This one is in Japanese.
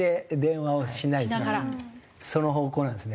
その方向なんですね。